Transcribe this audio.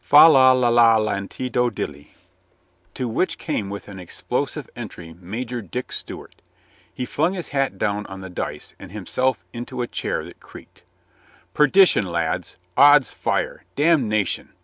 Fa la la la lantido dilly. ISO COLONEL GREATHEART To which came with an explosive entry Major Dick Stewart. He flung his hat down on the dice and himself into a chair that creaked, "Perdition, lads! Ods fire! Damnation!"